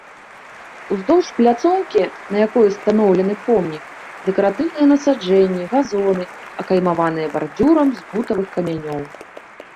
Уздоўж пляцоўкі, на якой устаноўлены помнік, дэкаратыўныя насаджэнні, газоны, акаймаваныя бардзюрам з бутавых камянёў.